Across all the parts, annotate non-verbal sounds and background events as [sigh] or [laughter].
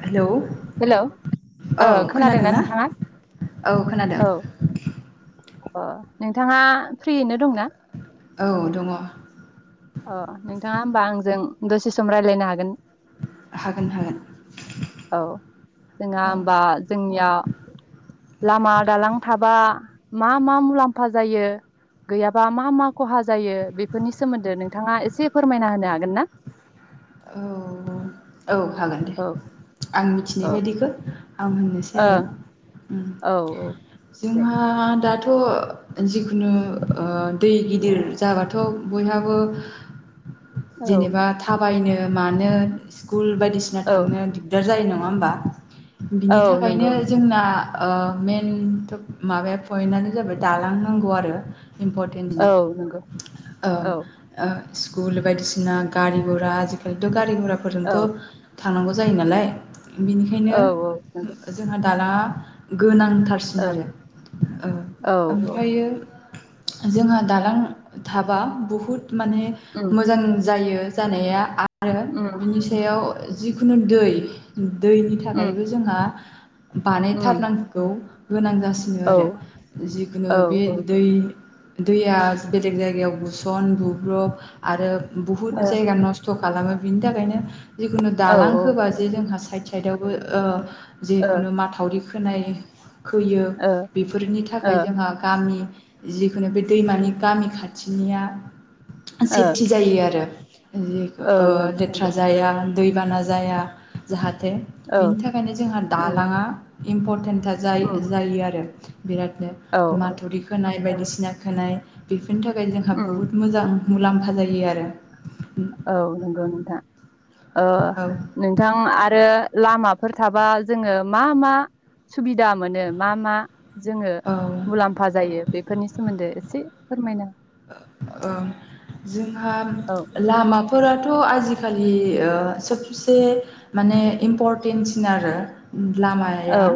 Hello hello ओ औ खोनादोंना नोंथाङा औ खोनादों अ नोंथाङा फ्रियैनो दंना औ दङ अ नोंथाङा होमबा आंजों दसे सम रायलायनो हागोन हागोन हागोन औ जोंहा औ होमबा जोंनियाव लामा दालां थाबा मा मा मुलाम्फा जायो गैयाबा मा मा खहा जायो बेफोरनि सोमोन्दै नों थाङा एसे फोरमायना होनो हागोन ना? औ औ हागोन दे औ आं मिथिनाय औ बायदिखौ आं होननोसै आरो ओं औ दे जोंहा दाथ' थ' जिखुनु ओ दै गिदिर जाबाथ' बयहाबो औ जेनेबा थाब बायनो मानो स्कुल बाय बायदिसिना औ थांनो दिगदार जायो नङा होमबा बिनि औ थाखायनो नंगौ नोंथां जोंना ओ। मेन थ' माबाया पइन्टानो जाबाय दालांनांगौ आरो इम्प'टेन्ट औ नंगौ ओ औ ओ। स्कुल बायदिसिना गारि गरा फोरथ'गा गारि औ गराफोरजोंथ' थांनांगौ जायो नालाय। बिनिखायनो औ औ नंगौ जोंहा दालाङा गोनां थारसिन औ औ औ आरोओमफ्रायो जोंहा दालां थाबा बहुद माने उम मोजां जायो। जानाया आरो उम बिनि सायाव जिखुनु दै दैनि उम थाखायबो जोंहा उम बानायथारनांगौ गोनां जासिनो औ आरो जिखुनु औ बे ओ दै दैया बेलेग जायगायाव बुसन बुब्रब आरो औ बहुत जायगा नस खालामो बिनि थाखायनो जिखुनु औ ओ दालां होबा जे जोंहा साइखेल [unintelligible] ओ जिखुनु माथावरि खोनायो खोयो ओ बेफोरनि ओ थाखाय जोंहा गामि जिखुनु बे दैमानि गामि खाथिनिया ओं सेफथि जायो आरो [unintelligible] ओ ओं जेथ्रा नंगौ जाया दैबाना जाया थे औ बिनि थाखायनो जोंहा उम दालाङा इम्परन्टेनथार उम जा-जायो आरो बिरादनो औ माथुरि खोनाय औ बायदिसिना खोनाय बि बेनि थाखाय जोंहा उम बहुत मोजां मुलाम फा जायो आरो औ नों गौ नोंथा अ औ नोंथां आरो लामाफोर थाबा जोङो मा मा सुबिदा मोनो मा मा जोङो औ मुलाम्फा जायो बेफोरनि सोमोन्दो एसे फोरमायना ओ जोंहा औ लामा फोराथ' आजिखालि सबसे माने इमपरन्टेनसिन आरो औ लामाया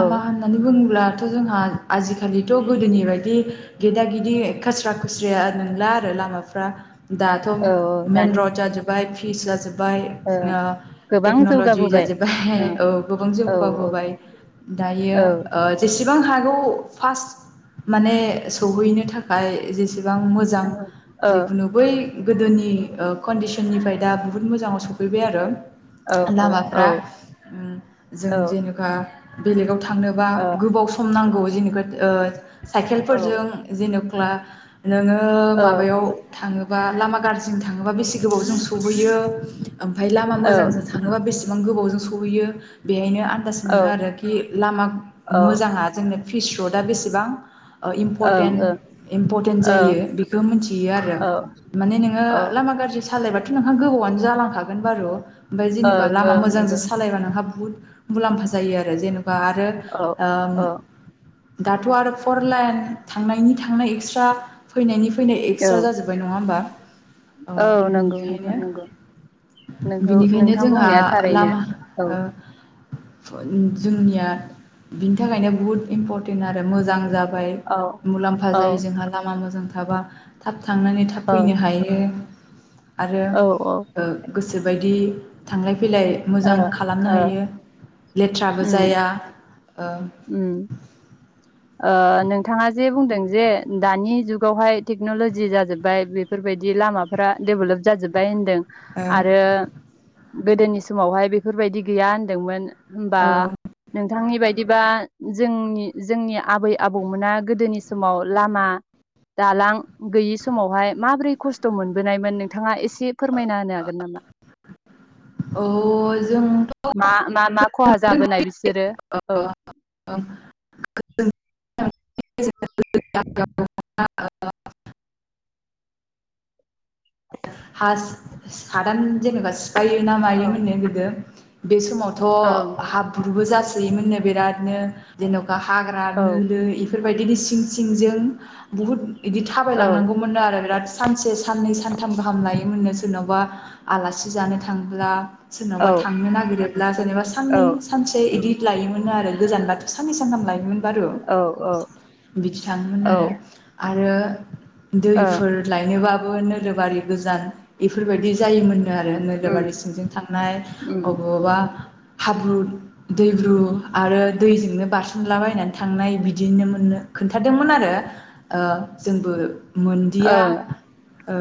औ होननानै बुङोब्ला दाथ' जोंहा आजिखालिथ' गोदोनि बायदि गेदा गेदि खास्रा खुस्रिया नंला आरो लामाफ्रा दाथ' औ मेन दानि रड जाजोब्बाय फिस जाजोब बाय ओ गोबां टेक्नलजि जौगाबोबाय जाजोब्बाय औ गोबां औ जौगाबोबाय औ दायो ओ जेसे सेबां हागौ फार्स्ट माने सौहैनो थाखाय खाय जेसे बां मोजां औ जिखुनु बै गोदोनि ओ कन्डिसननिफ्राय दा बुहुत मोजाङाव सफैबाय आरो औ औ लामाफ्रा उम जों औ जेनेबा बेलेगाव थांनोबा औ गोबाव सम नांगौ [unintelligible] साइकेलफोरजों जेन' मा नोङो माबायाव थाङो? बा लामा गाज्रिजों थाङोबा बेसे गोबाव जों सहैयो। ओमफ्राय लामा मोजांजों थाङोबा बेसेबां गोबावजों सहैयो बेनो आदास मोनो आरो लामा मोजां जोंनो। फिस र'डआ बेसेबां इम्प'टेन्ट इम्परटेन्ट जायो बेखौ मिथियो आरो माने नोङो लामा गाज्रि सालायबा नोंहा गोबावानो जालांखागोन बारु ओमफ्राय जेनेबा लामा मोजांजों सालायबा नोंहा बुहुथ मुलाम्फा जायो आरो जेन बा आरो ओ दाथ' आरो फर लाइन थांनायनि थांनाय एक्सट्रा फैनायनि फैनाय एक्सट्रा जाजोब्बाय नङा होमबा नंगौ बिनिखायनो नोंथां नंगौ नोंगौ बिनिखायनो नोंथां जोंहा बुंनाया थारैनो लामा औ जोंनिया बिनि थाखायनो बहुत इम्परटेन्ट आरो मोजां जा बाय मुलाम फा औ जोंहा लामा मोजां थाबा थाब थांनानै थाब औ फैनो हायो। आरो औ ओ ओ गोसोबायदि थांलाय फैलाय मोजां खालामनो हायो। लेथ्राबो उम जाया ओ उम नोंथाङा जे बुंदों जे दानि जुगावहाय टेक्न'लजि जाजोब्बाय बेफोरबायदि लामाफ्रा डेभेलप जाजोब्बाय होनदों। ओ आरो गोदोनि समावहाय बेफोरबायदि गैया होनदोंमोन। होमबा नोंथांनि बाय बिदिबा जोंनि जोंनिआ आबै आबौमोना गोदोनि समाव लामा दालां गैयि समावहाय माबोरै खस्थ' मोनबोनायमोन नोंथाङा एसे एसे फोरमायना होनो हागोन नामा औ जोंथ' मा मा खहा जाबोनाय बिसोरो औ? जों जों [unintelligible] [unintelligible] हास- हादान जेनेबा सिफायो ना औ मायोमोननो गोदो बे समावथ' ओं हाब्रुबो जासि मोननो बिरादनो जेनाव हाग्रा औ नोलो इफोर बेबादिनो सिं सिंजों बुहुत आंदि औ थाबायलांनांगौमोननो आरो बिराद सानसे साननै सान गाहाम लायोमोननो सोरनावबा आलासि जानो थांब्ला सोरनावबा थांनो नागिरोब्ला जेनेबा साननै औ सानसे इदि लायोमोन आरो गोजानबाथ' साननै सानथाम लायोमोन। बारु औ बिदि थाङोमोन नो औ आरो आरो ओ दैफोर लायनोबा नोलो बारि गोजानो एफोरबायदि जायोमोन नोआरो उम नोलोबारि सिंजों थांनाय उम अबावबा हाब्रु दैब्रु आरो दैजोंनो बारसनलाबायनानै थांनाय बिदिनो मोननो खोन्थादोंमोन आरो ओ जोंबो ओ मोनदिया ओ।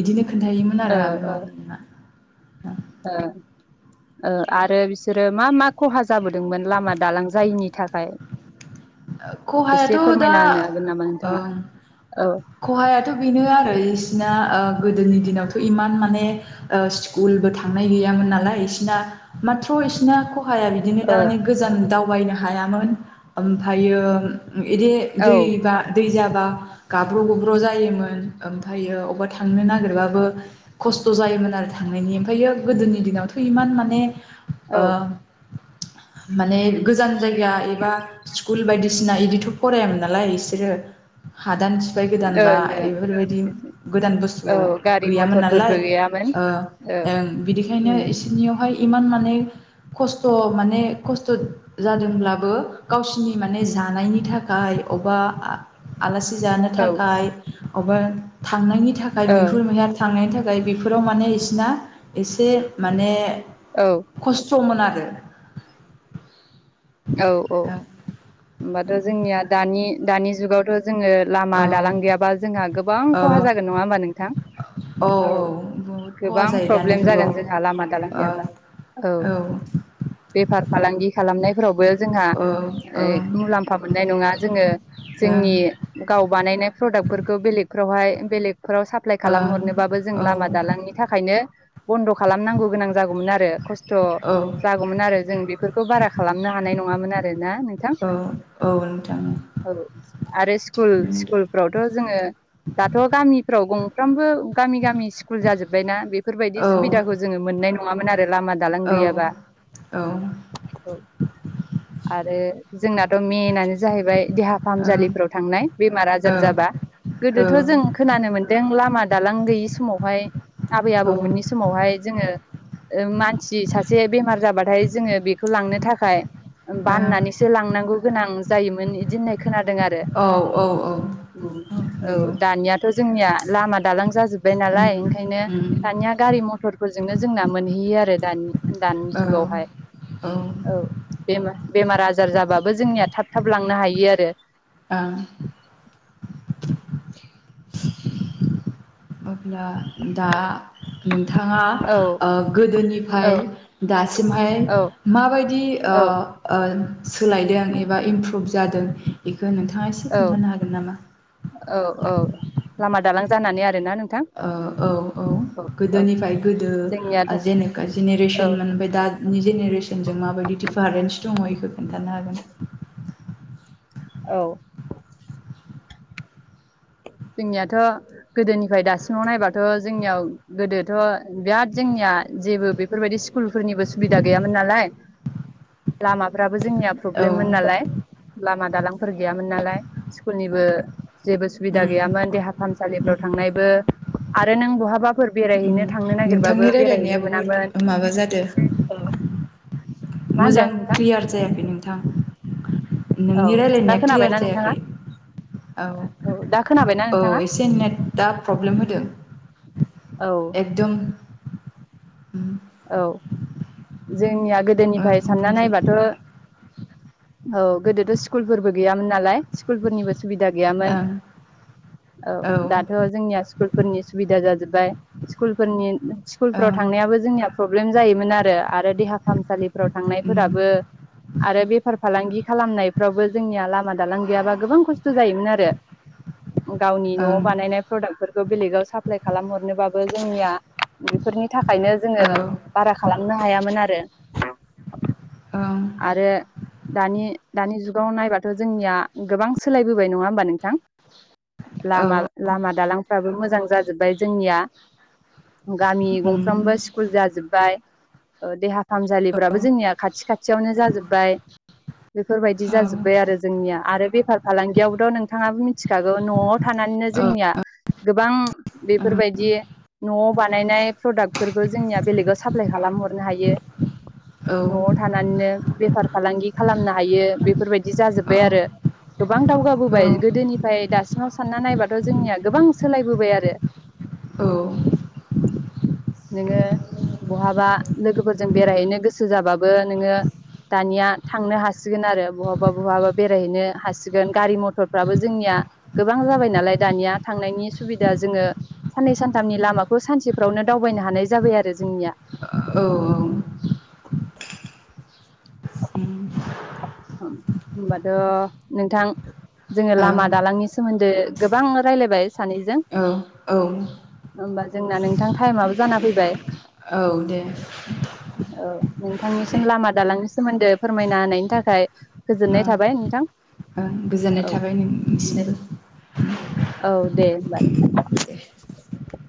इदिनो खोनथायोमोन आरो ओ ओ आगोलाव ओ ओ आरो बिसोरो मा मा खहा जाबो दोंमोन लामा दालां जायिनि थाखाय एसे खहायाथ' दा फोरमायना होनो हागोन नामा ओ नोंथाङा? औ ओ खहायाथ' बेनो आरो इसिना गोदोनि दिनावथ' इमान माने ओ स्कुलबो थांनाय गैयामोन नालाय इसिना माथ्र' इसिना [unintelligible] बिदिनो औ दा माने गोजान दाउ [unintelligible] हायामोन थायो। इदि औ दैबा दै जाब्ला बा गाब्र' गुब्र' जायोमोन ओमफ्रायो अबावबा थांनो नागिरबाबो खस्थ' जायोमोन आरो थांनायनि ओमफ्रायो गोदोनि दिनावथ' इमान माने ओ माने गोजान जायगा एबा स्कुल बायदिसिना बिदिथ' फरायामोन नालाय बिसोरो हादान सिफाय फाय गोदान बा ओं ओ बेफोरबायदि गोदान औ बुस्थुआव गारि गैयामोन नालाय मथरफोरबो गैयामोन ओ औ ओं बिदिखायनो उम इसिनियावहाय। इमान माने खस्थ' माने खस्थ' जादोंब्लाबो गावसिनि माने जानायनि थाखाय अबा आलासि सि जानो औ ओ थाखाय अबा था थांनायनि थाखाय औ मैहुर मैहार थांनायनि थाखाय जाय बेफोराव माने बिसिना एसे माने औ थमोन आरो औ औ होमबाथ' जोंनिया दानि दानि जुगावथ' जोङो लामा औ दालां ओ गैयाबा जोंहा गोबां औ खहा जागोन नङा होमबा नोंथां? औ बहुद खहा गोबां जायो दानि प्रब्लेम जुगाव जागोन जोंहा लामा दालां गैयाबा औ। ओ बेफार फालांगि खालामनायफ्रावबो औ औ मुफा मोननाय नङा जोङो। ओं जोंनि गाव बानायनाय प्रडाक्टफोरखौ बेलेगफ्रावहाय बेलेग फोराव साप्लाइ खालामहरनोबाबो जों औ लामा दालांनि थाखायनो बन्द' खालामनांगौ गोनां जागौमोन आरो खस्थ' औ जागौमोन आरो जों बेफोरखौ बारा खालामनो हानाय नङामोन आरोना नोंथां। औ औ आरो स्कुल थिगखौनो स्कुलफ्रावथ' जोङो दाथ' गामिफ्राव गं फ्रामबो गामि गामि स्कुल जाजोब्बायना बेफोरबायदि बुंदों सुबिदाखौ जोङो मोननाय नङा। नङामोन आ रो लामा दालां औ औ गैयाबा ओं औ आरो जोंनाथ' मेनानो जाहैबाय देहा ओं फाहामसालिफ्राव थांनाय बेमार आजार औ औ ओं जाबा गोदोथ' जों खोनानो मोन दों लामा दालां गैयि समावहाय आबै आबौमोननि समावहाय जोङो ओ मानसि सासे बेमार जाबाथाय जोङो बेखौ लांनो थाखाय बाननानै थांनांगौ गोनां जायोमोन इदि होननायख खोनादों आरो औ औ औ औ नंगौ दानियाथ' जोंनिया लामा दालां जाजोब्बाय नालाय उम ओंखायनो उम दानिया गारि मथरफोरजोंनो जोंना मोनहैयो आरो दानि दानि औ जुगावहाय औ बेमा बेमारा जार जाबाबो जोंनिया थाब थाब लांनो हायो आरो ओं [unintelligible] अब्ला दा उम थाङा औ ओ औ गोदोनिफ्राय दासिमहाय औ माबायदि ओ औ ओ सोलायदों एबा इमप्रुभ जादों बे खो नोंथाङा एसे औ खोन्थानो हागोन नामा‌? औ औ लामा दालां जानानै आ ओ औ औ औ गोदोनिफ्राय गोदो जोंनियाथ ओ जेनेखा औ जेनेरेसन मोन ओमफाय दानि जेनेरेसनजों माबायदि दिफारेन्स दङ' इखो खोन्थानो हागोन औ जोंनियाथ' गोदोनिफ्राय दासिमाव नायबाथ' जोंनियाव गोदोथ' बिराद जोंनिया जेबो बेफोरबायदि स्कुलफोरनिबो सुबिदा गैयामोन नालाय लामाफ्राब बो जोंनिया औ प्रब्लेममोन नालाय लामा दालांफोर गैयामोन नालाय स्कुलनिबो जेबो सुबिदा उम गैयामोन देहा फाहामसालिफ्राव उम थांनायबो आरो नों बहाबा उम नोंथांनि रायलायनाया बुहुत मोनामोन माबा जादो मा होनदों मोजां नोंथां क्लियार जायाखै नोंथां औ नोंनि दा रायलायनाया क्लियार खोनाबायना जायाखै नोंथाङा औ दा खोनाबायना औ नोंथाङा एसे नेटआ प्रब्लेम होदों औ एकदम उम औ जोंनिया ओं गोदोनिफ्राय सानना बुंसै नायबाथ' औ गोदोथ' स्कुलफोरबो गैयामोन नालाय स्कुलफोरनिबो सुबिदा गैयामोन ओं औ दाथ' जोंनिया स्कुलफोरनि सुबिदा जाजोब फाय स्कुलफोरनि स्कुलफ्राव थांनायाबो जोंनिया प्रब्लेम जायोमोन आरो देहा फाहामसालि फोराव उम थांनायफोराबो आरो बेफार फालांगि खालामनायफ्रावबो जोंनिया लामा मा दालां गैयाबा गोबां खस्थ' जायोमोन आरो। गावनि न'आव ओं औ बानायनाय प्रडाक्टफोर खौ बेलेगाव साप्लाइ खालामहरनोबाबो जोंनिया बेफोरनि था खायनो जोंङो ओं औ बारा खालामनो हायामोन आरो। उम आरो दानि दानि जुगाव नायबाथ' जोंनिया गोबां सोलायबोबाय नंङा होमबा नोंथां? औ लामा औ लामा दालांफ्राबो मोजां जाजोब्बाय जोंनिया गामि गंफ्रोमबो उम स्कुल जाजोब बाय ओ देहा फाहामसालिफ्राबो जोंनिया खाथि खाथियावनो जाजोब्बाय बेफोरबायदि औ जाजोब्बाय आरो जोंनिया आरो बेफार फालांगियावबोथ' नोंथांङाबो मि मिथिखागौ न'आव थानानैनो औ औ जोंनिया गोबां औ उम बेफोरबायदि न'आव बानायनाय प्रडाक्टफोरखौ जोंनिया बेलेगाव साप्लाय खालामहरनो हायो। ओं न'आव औ थानानैनो बेफार फालांगि खालामनो हायो बेफोरबायदि जाजोब्बाय औ आरो। गोब बां दावगाबोबाय गोदोनिफ्राय दास थाव सानना नायबाथ' जोंनिया गोबां सोलायबोबाय आरो। औ नोंङो बहाबा लोगोफोरजों बेरायहैनो गोसो जाबाबो नोंङो दानिया थांनो हासिगोन आरो बहाबा बहाबा बेरायहैनो हासिगोन गारि मथरफ्राबो जोंनिया गोबां जाबाय नालाय दानिया थांनायनि सुबिदा जोंङो साननै सानथामनि लामाखौ सानसेफ्रावनो दावबायनो हानाय जाबाय आरो। जोंनिया औ औ होम होमबाथ' नोंथां जोंङो लामा दालांनि सोमोन्दो गोबां रायज्लायबाय सानैजों होमबा जोंना नोंथां टाइमाबो जाना फैबाय औ दे औ दे नोंथांनिसिम लामा दालांनि सोमोन्दै फोरमायना होनायनि थाखाय गोजोननाय ओं थाबाय नोंथां। गोजोननाय औ थाबाय दे नोंथांनिसिमबो। औ दे होमबा नोंथां।